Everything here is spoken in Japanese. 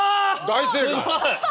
大正解。